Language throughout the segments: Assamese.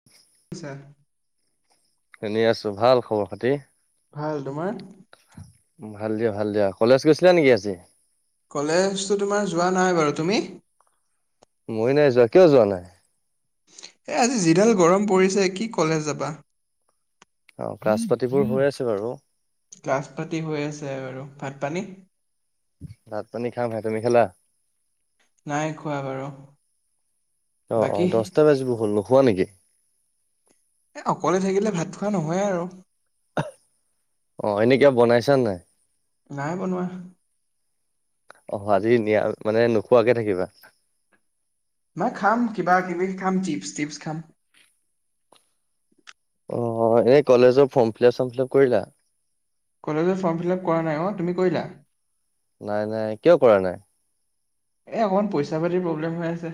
[inaudible] আছা। এনেই আছো ভাল খবৰ খাতি? ভাল তোমাৰ? ভাল দিয়া ভাল দিয়া কলেজ গৈছিলা নেকি আজি? কলেজটো তোমাৰ যোৱা নাই বাৰু। তুমি? মইও নাই যোৱা কিয় যোৱা নাই? এ' আজি যিডাল গৰম পৰিছে কি কলেজ যাবা। অ' ক্লাছ পাতিবোৰ হৈ আছে বাৰু। ক্লাছ পাতি হৈ আছে আৰু ভাত পানী। ভাত পানী খাম হে তুমি খালা? নাই খোৱা বাৰু। অ', অ' বাকী দহটা বাজিব হ'ল নোশোৱা নেকি? এই অকলে থাকিলে ভাত খোৱা নহয়েই আৰু। অ' এনেই কিবা বনাইছান নাই? নাই বনোৱা। অহ আজি মানে নোখোৱাকে থাকিবা? নাই খাম কিবা কিবি খাম চিপছ টিপছ খাম। অ' এই কলেজৰ ফৰ্ম ফিলাপ ৰ্চম ফিলাপ কৰিলা? কলেজত ফৰ্ম ফিলাপ কৰা নাই, অ' তুমি কৰিলা। নাই, নাই, কিয় কৰা নাই? এই অকণমান পইচা পাতিৰ প্ৰব্লেম হৈ আছে।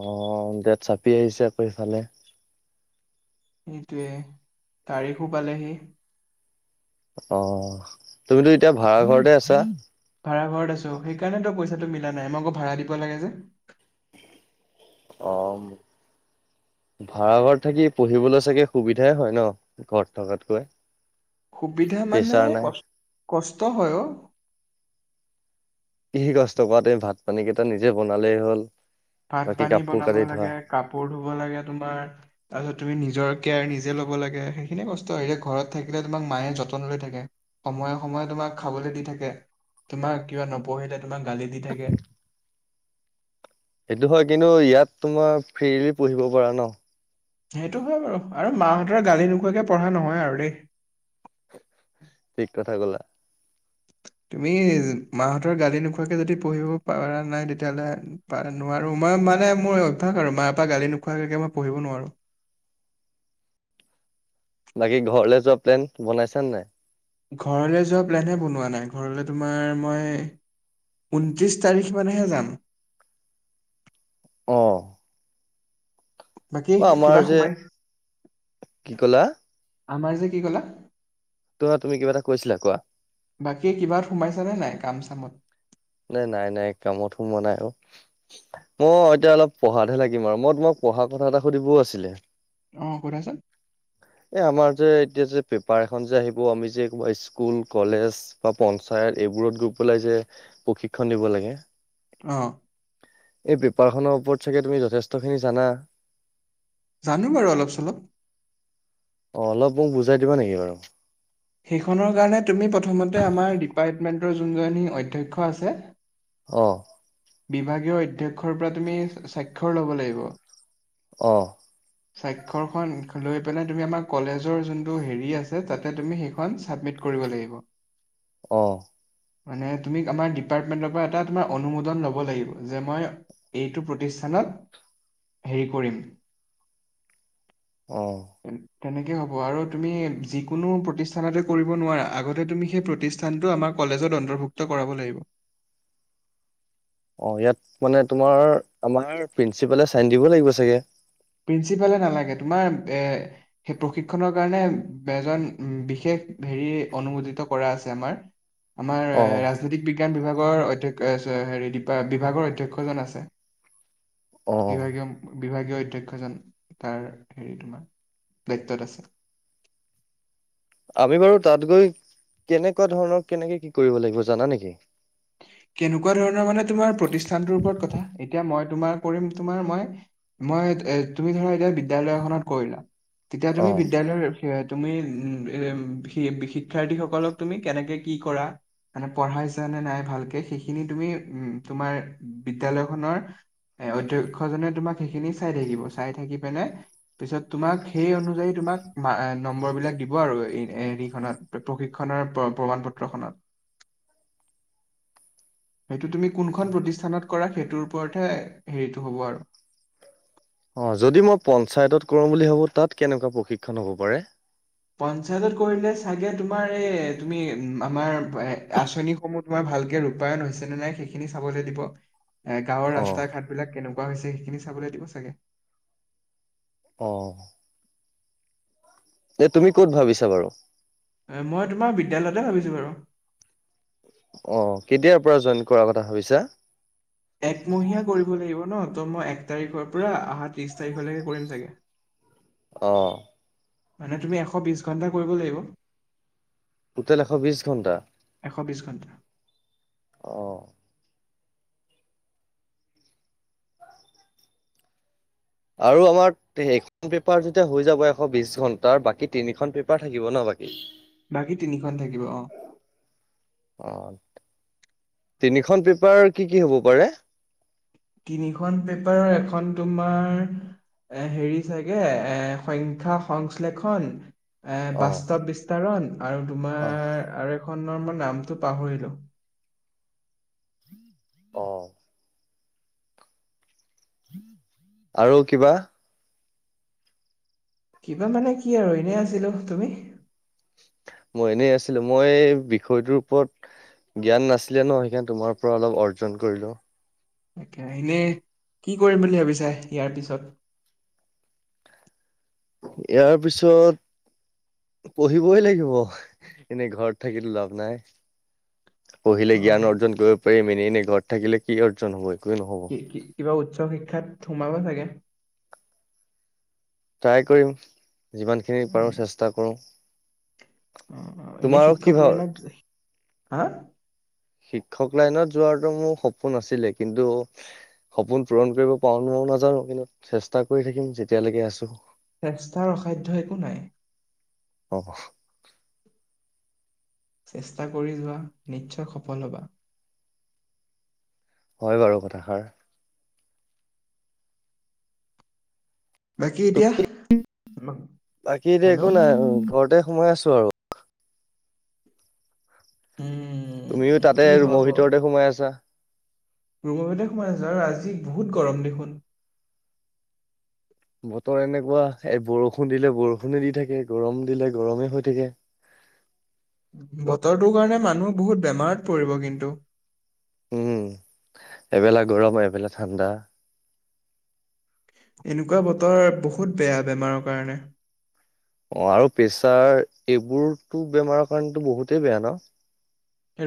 অ' ডেত চাপি আহিছে আকৌ ইফালে? সেইটোৱে তাৰিখো পালেহি। অ' তুমিতো এতিয়া ভাড়া ঘৰতে আছা? ভাড়া ঘৰত আছো, সেইকাৰণে তো পইচাটো মিলা নাই, মই আকৌ ভাড়া দিব লাগে যে। অ' ভাড়া ঘৰত থাকি পঢ়িবলৈ চাগে সুবিধাই হয় ন ঘৰত থকাতকৈ? সুবিধা মানে প্ৰেছাৰ ক নাই কষ্ট হয় অ'। ইহি কষ্ট কৰাতে ভাত পানী কেইটা নিজে বনালেই হ'ল। ভাত বাকী পানী কাপোৰ বনাব কানি লাগে ধোৱা কাপোৰ ধুব লাগে তোমাৰ তাৰপিছত তুমি নিজৰ কেয়াৰ নিজে ল'ব লাগে, হেইসিনিয়েই কষ্ট আৰু। এতিয়া ঘৰত থাকিলে তোমাৰ মায়ে যতন লৈ থাকে। সময়ে সময়ে তোমাক খাবলৈ দি থাকে তোমাক, কিবা নপঢ়িলে তোমাক গালি দি থাকে। সেইটো হয়, কিন্তু ইয়াত তোমাৰ ফ্ৰীলি পঢ়িব পাৰা ন? সেইটো হয় বাৰু, আৰু মাহতৰ গালি নোখোৱাকে পঢ়া নহয় আৰু দেই। ঠিক কথা ক'লা। তুমি মাহঁতৰ গালি নোখোৱাকে যদি পঢ়িব পৰা নাই তেতিয়াহ'লে পাৰা নোৱাৰো, মই মানে মোৰ অভ্যাস আৰু মাৰ পৰা গালি নোখোৱাকে মই পঢ়িব নোৱাৰো। বাকী ঘৰলে যোৱা প্লেন বনাইছ নে নাই? ঘৰলৈ যোৱাহে প্লেনহে বনোৱা নাই। ঘৰলৈ তোমাৰ মই ঊনত্ৰিছ তাৰিখ মানেহে যাম। অ অ বাকী আমাৰ কিবা যে সোমাইছে, কি ক'লা আমাৰ যে কি ক'লা? কোৱা তুমি কিবা এটা কৈছিলা, কোৱা? বাকী কিবাত সোমাইছা নে নাই কাম চামত? নাই নাই নাই কামত সোমোৱা নাই অ'। মই এতিয়া অলপ পঢ়াতহে লাগিম আৰু, মই তোমাক পঢ়া কথা এটা সুধিবও আছিলে? অ' সোধাছোন? এ আমাৰ যে এতিয়া যে পেপাৰ এখন যে আহিব আমি যে স্কুল কলেজ বা পঞ্চায়ত এইবোৰত গৈ পেলাই যে প্ৰশিক্ষণ দিব লাগে। অ'। এই পেপাৰখনৰ ওপৰত চাগে তুমি যথেষ্ট খিনি জানা? জানো বাৰু অলপ চলপ। অ' অলপ মোক বুজাই দিবা নেকি বাৰু? সেইখনৰ কাৰণে তুমি প্ৰথমতে আমাৰ ডিপাৰ্টমেণ্টৰ যোনজনী অধ্যক্ষ আছে অ'। বিভাগীয় অধ্যক্ষৰ পৰা তুমি স্বাক্ষৰ ল'ব লাগিব। অ'। স্বাক্ষৰ খন লৈ পেলাই তুমি আমাৰ কলেজৰ যোনটো হেৰি আছে, তাতে তুমি সেই খন চাবিমিট কৰিব লাগিব। অ'। মানে তুমি আমাৰ ডিপাৰ্টমেণ্টৰ পৰা এটা তোমাৰ অনুমোদন ল'ব লাগিব, যে মই এইটো প্ৰতিষ্ঠানত হেৰি কৰিম। অ। তেনেকে হ'ব, আৰু তুমি যিকোনো প্ৰতি ষ্ঠানটো কৰিব নোৱাৰা। আগতে তুমি সেই প্ৰতিষ্ঠানটো আমাক কলেজত অন্তৰ্ভুক্ত কৰাব লাগিব। অ, ইয়াত মানে তোমাৰ আমাৰ প্ৰিন্সিপালে চাইন দিব লাগিব চাগে। প্ৰিন্সিপালে নালাগে তোমাৰ এ সেই প্ৰশিক্ষনৰ কাৰণে এজন বিশেষ হেৰি অনুমোদিত কৰা আছে আমাৰ। আমাৰ অ ৰাজনৈতিক বিজ্ঞান বিভাগৰ অধ্যক্ষ হেৰি বিভাগৰ অধ্যক্ষ জন আছে। অ বিভাগীয় বিভাগীয় অধ্য ক্ষজন তাৰ হেৰি তোমাৰ দায়িত্বত আছে। আমি বাৰু তাত গৈ, কেনেকুৱা ধৰণৰ কেনেকে কি কৰিব লাগিব জানা নেকি? কেনেকুৱা ধৰণৰ মানে তোমাৰ প্ৰতিষ্ঠানটোৰ ওপৰত কথা। এতিয়া মই তোমাৰ কৰিম তোমাৰ মই। মই এ তুমি ধৰা এতিয়া বিদ্যালয় এখনত কৰিলা, তেতিয়া অ তুমি বিদ্যালয়ৰ এ তুমি উম এ শি শিক্ষাৰ্থীসকলক তুমি কেনেকে কি কৰা। মানে পঢ়াইছানে নাই ভালকে সেইখিনি তুমি উম তোমাৰ বিদ্যালয়খনৰ এ অধ্যক্ষজনে তোমাক সেইখিনি চাই থাকিব, চাই থাকি পিনে পিছত তোমাক সেই অনুযায়ী তোমাক মা নম্বৰবিলাক দিব আৰু এ হেৰিখনত। প্ৰশিক্ষণৰ প্ৰমাণ পত্ৰখনত। সেইটো তুমি কোনখন প্ৰতিষ্ঠানত কৰা সেইটোৰ ওপৰতহে হেৰিটো হ'ব আৰু। অ যদি মই পঞ্চায়ত কৰাম বুলি ভাবো তাত কেনেকুৱা প্ৰশিক্ষণ হ'ব পাৰে? পঞ্চায়তত কৰিলে চাগে তোমাৰ এই তুমি উম আমাৰ এ আঁচনিসমূহ তোমাৰ ভালকে ৰূপায়ন হৈছে নে নাই সেইখিনি চাবলৈ দিব। এ গাঁৱৰ অ ৰাস্তা ঘাট বিলাক কেনেকুৱা হৈছে সেইখিনি চাবলৈ দিব চাগে। অ। এনে তুমি ক'ত ভাবিছা বাৰু? এ মই তোমাৰ বিদ্যালয়তে ভাবিছো বাৰু। অ কেতিয়াৰ পৰা জইন কৰাৰ কথা ভাবিছা? একমহীয়া কৰিব লাগিব ন, ত মই এক তাৰিখৰ পৰা অহা ত্ৰিশ তাৰিখলৈকে কৰিম চাগে। অ। মানে তুমি এশ বিশ ঘণ্টা কৰিব লাগিব। টোটেল এশ বিশ ঘণ্টা? এশ বিছ ঘণ্টা। অ। আৰু আমাক তে সেইখন পেপাৰ যেতিয়া হৈ যাব এশ বিশ ঘন্টা, বাকী তিনিখন পেপাৰ থাকিব ন বাকী? বাকী তিনিখন থাকিব অহ। অ তিনিখন পেপাৰ কি কি হব পাৰে? তিনিখন পেপাৰৰ এখন তোমাৰ এ হেৰি চাগে এ সংখ্যা সংশ্লেষণ এ অ বাস্তৱ বিস্তাৰণ আৰু অ তোমাৰ আৰু এখনৰ মই নামটো পাহৰিলো। অ। আৰু কিবা? কিবা মানে কি আৰু এনেই আছিলোঁ। তুমি? মই এনেই আছিলোঁ। মই বিষয়টোৰ ওপৰত জ্ঞান নাছিলে ন সেইকাৰনে তোমাৰ পৰা অলপ অৰ্জন কৰিলোঁ। তাকে এনে কি কৰিম বুলি ভাবিছা ইয়াৰ পিছত? ইয়াৰ পিছত পঢ়িবই লাগিব এনেই ঘৰত থাকিটো লাভ নাই। পঢ়িলে অ জ্ঞান অৰ্জন কৰিব পাৰিম এনে এনে ঘৰত থাকিলে কি অৰ্জন হব একো নহব। কি কিবা উচ্চ শিক্ষাত সোমাবা চাগে? ট্ৰাই কৰিম যিমানখিনি পাৰো উম চেষ্টা কৰো। অ এনে তোমাৰো কি শিক্ষক ভাব লাইনত, হা শিক্ষক লাইনত যোৱাটো মোৰ সপোন আছিলে কিন্তু সপোন পূৰণ কৰিব পাৰো নোৱাৰোঁ নাজানো কিন্তু চেষ্টা কৰি থাকিম যেতিয়ালৈকে আছো। চেষ্টাৰ অসাধ্য একো নাই। অহ। চেষ্টা কৰি যোৱা নিশ্চয় সফল হবা। হয় বাৰু কথাষাৰ। বাকী এতিয়া [inaudible] বাকী এতিয়া একো হেল্ল' নাই ঘৰতে সোমাই আছো আৰু। উম। তুমিও তাতে কি ৰুমৰ হ'ব ভিতৰতে সোমাই আছা? ৰুমৰ ভিতৰতে সোমাইছো আৰু আজি বহুত গৰম দেখোন। বতৰ এনেকুৱা এ বৰষুণ দিলে বৰষুণে দি থাকে, গৰম দিলে গৰমে হৈ থাকে। বতৰটোৰ কাৰণে মানুহ বহুত বেমাৰত পৰিব কিন্তু। উম এবেলা গৰম এবেলা ঠাণ্ডা। এনেকুৱা বতৰ বহুত বেয়া বেমাৰৰ কাৰণে। অ আৰু প্ৰেচাৰ এইবোৰতো বেমাৰৰ কাৰণতো বহুতেই বেয়া ন?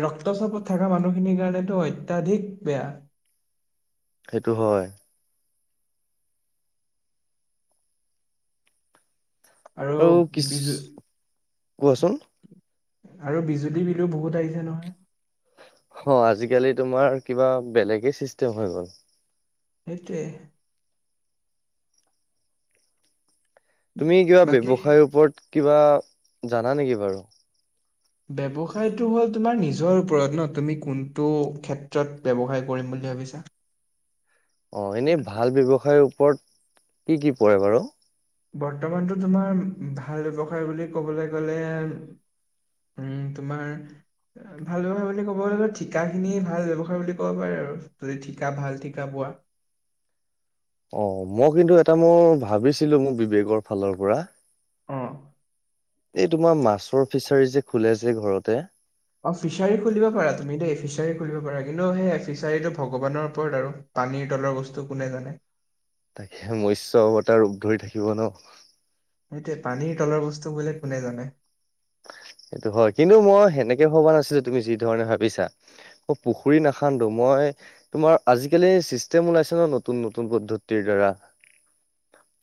ৰক্তচাপত থাকা মানুহখিনিৰ কাৰণেটো অত্যাধিক বেয়া। সেইটো হয়। আৰু বিজো কোৱাচোন আৰু বিজুলী বিলো বহুত আহিছে নহয়। অ' আজিকালি তোমাৰ কিবা বেলেগে চিষ্টেম হৈ গ'ল। সেইটোৱে! তুমি কিবা বাকী ব্যৱসায়ৰ ওপৰত কিবা জানা নেকি বাৰু? ব্যৱসায়টো হ'ল তোমাৰ নিজৰ ওপৰত ন, তুমি কোনটো ক্ষেত্ৰত ব্যৱসায় কৰিম বুলি ভাবিছা? অ' এনেই ভাল ব্যৱসায়ৰ ওপৰত কি কি পৰে বাৰু? বৰ্তমানতো তোমাৰ ভাল ব্যৱসায় বুলি কবলৈ গলে উম তোমাৰ ভাল ব্যৱসায় বুলি ক'বলৈ গলে ঠিকাখিনি ভাল ব্যৱসায় বুলি ক'ব পাৰে আৰু, যদি ঠিকা ভাল ঠিকা পোৱা। অ' মই কিন্তু এটা মোৰ ভাবিছিলো, মোৰ বিবেকৰ ফালৰ পৰা। অঁ। এই তোমাৰ মাছৰ ফিচাৰী যে খোলে যে ঘৰতে। অ' ফিচাৰী খুলিব পাৰা তুমি দেই! ফিচাৰী খুলিব পাৰা। কিন্তু সেই ফিচাৰীটো ভগৱানৰ ওপৰত আৰু। পানীৰ তলৰ বস্তু কোনে জানে? তাকে মৎস্য অৱতাৰ ৰূপ ধৰি থাকিব ন? সেইটোৱে, পানীৰ তলৰ বস্তু বোলে কোনে জানে। সেইটো হয়, কিন্তু মই সেনেকে ভবা নাছিলো তুমি যি ধৰণে ভাবিছা। পুখুৰী নাখান্দো। মই তোমাৰ আজিকালি চিষ্টেম ওলাইছে ন, নতুন নতুন পদ্ধতিৰ দ্বাৰা।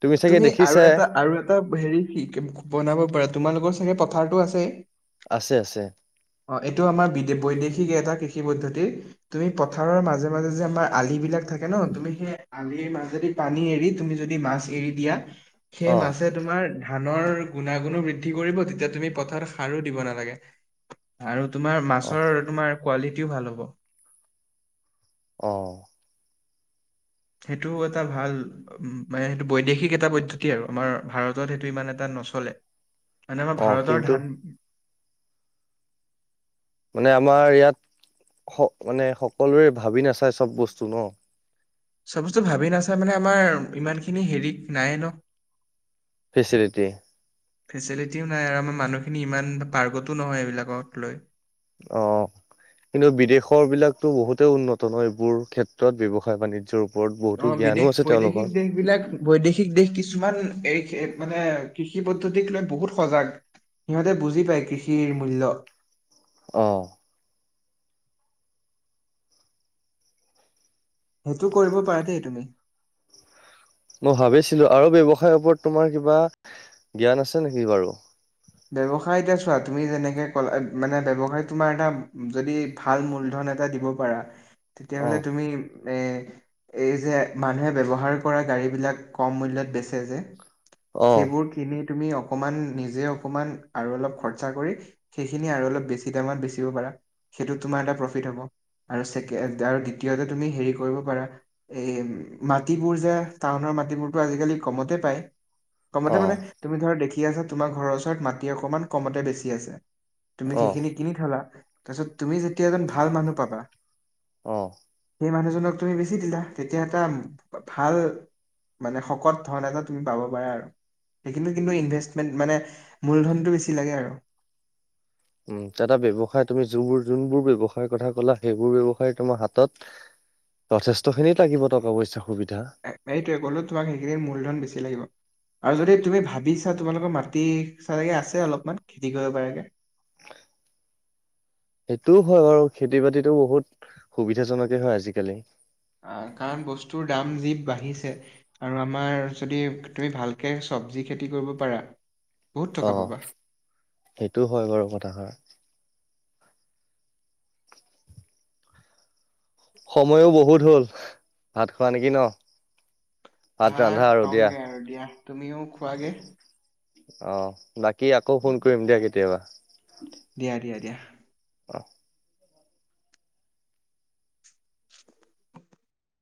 তুমি চাগে আৰু দেখিছাই! এটা আৰু এটা হেৰি [unintelligible] বনাব পাৰা, তোমালোকৰ চাগে পথাৰটো আছেই। আছে আছে। অ' এইটো আমাৰ বি বৈদেশিক এটা কৃষি পদ্ধতি। তুমি পথাৰৰ মাজে মাজে যে আমাৰ আলিবিলাক থাকে ন, তুমি সেই আলিৰ মাজেদি পানী এৰি তুমি যদি মাছ এৰি দিয়া। সেই অ মাছে তোমাৰ ধানৰ গুণাগুণো বৃদ্ধি কৰিব, তেতিয়া তুমি পথাৰত সাৰো দিব নালাগে। আৰু তোমাৰ অ মাছৰ তোমাৰ কোৱালিটিও ভাল হ'ব। অ'। সেইটো এটা ভাল। উম মানে সেইটো বৈদেশিক এটা পদ্ধতি আৰু, আমাৰ ভাৰতত সেইটো ইমান এটা নচলে। মানে আমাৰ অ ভাৰতৰ কিন্তু ধান। মানে আমাৰ ইয়াত স মানে সকলোৰে ভাবি নাচায় চব বস্তুবোৰ। চব বস্তু ভাবি নাচাই মানে আমাৰ ইমান খিনি হেৰি নাই ন। ফেচিলিটিয়ে। ফেচিলিটিও নাই আৰু আমাৰ মানুহখিনি ইমান পাৰ্গতো নহয় এইবিলাকক লৈ। অ'। কিন্তু বিদেশৰ বিলাকতো বহুতেই উন্নত ন, এইবোৰ ক্ষেত্ৰত ব্যৱসায় বাণিজ্যৰ ওপৰত বহুতো জ্ঞানো আছে তেওঁলোকৰ। এইবিলাক বৈদেশিক দেশ কিছুমান এই মানে কৃষি পদ্ধতিক লৈ বহুত সজাগ। সিহঁতে বুজি পায় কৃষিৰ মূল্য। অ'। সেইটো কৰিব পাৰা দেই তুমি। মই ভাবিছিলো আৰু ব্যৱসায়ৰ ওপৰত তোমাৰ কিবা জ্ঞান আছে নিকি বাৰু? ব্যৱসায় এতিয়া চোৱা! তুমি যেনেকে ক'লা মানে ব্যৱসায় তোমাৰ এটা যদি ভাল মূলধন এটা দিব পাৰা। [inaudible] তেতিয়াহলে তুমি এ এই যে মানুহে ব্যৱহাৰ কৰা গাড়ীবিলাক কম মূল্যত বেচে যে অ সেইবোৰ কিনি তুমি অকমান নিজে অকমান আৰু অলপ খৰচা কৰি সেইখিনি আৰু অলপ বেছি দামত বেচিব পাৰা। সেইটো তোমাৰ এটা প্ৰফিট হ'ব। আৰু- আৰু দ্বিতীয়তে তুমি হেৰি কৰিব পাৰা এই মাটিবোৰ যে টাউনৰ মাটিবোৰতো আজিকালি কমতে পায়। কমতে অ মানে তুমি ধৰা, দেখি আছা তোমাৰ ঘৰৰ ওচৰত মাটি অকমান কমতে বেছি আছে। তুমি অ সেইখিনি কিনি থলা। তাৰপিছত তুমি যেতিয়া এজন ভাল মানুহ পাবা অ। সেই মানুহজনক তুমি বেছি দিলা। তেতিয়া এটা ভাল মানে শকত ধন এটা তুমি পাব পাৰা। আৰু সেইখিনি কিন্তু ইনভেষ্টমেণ্ট মানে মূলধনটো বেছি লাগে আৰু। উম, দাদা ব্যৱসায় তুমি যোন যোনবোৰ ব্যৱসায় কথা ক'লা, সেইবোৰ ব্যয়ৱসায় তোমাৰ হাতত যথেষ্টখিনি লাগিব টকা পইচা সুবিধা। এইটোৱে কলো তোমাক সেইখিনিৰ মূলধন বেছি লাগিব। আৰু যদি তুমি ভাবিছা, তোমালোকৰ মাটি চালৈকে আছে অলপমান খেতি কৰিব পাৰকে। [inaudible] সেইটোও হয় বাৰু। খেতি বাতিতো বহুত সুবিধাজনকে হয় আজিকালি। আহ কাৰণ বস্তুৰ দাম যি বাঢ়িছে। আৰু আমাৰ যদি তুমি ভালকৈ চব্জি খেতি কৰিব পাৰা বহুত অ টকা পাবা সেইটো হয় বাৰু কথাষাৰ। সময়ো বহুত হ'ল, ভাত খোৱা নেকি ন? ভাত ৰান্ধা আৰু দিয়া খাওঁগে আৰু দিয়া। তুমিও খোৱাগে। অ, বাকী আকৌ ফোন কৰিম দিয়া, কেতিয়াবা। দিয়া- দিয়া- দিয়া। অ [unintelligible]